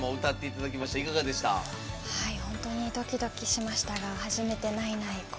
本当にドキドキしましたが初めて「ないない」